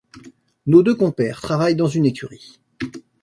Nos deux compères travaillent dans une écurie.